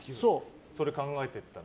それを考えていったら。